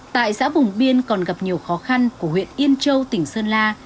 tại xã vùng biên còn gặp nhiều khó khăn của huyện yên châu tỉnh sơn la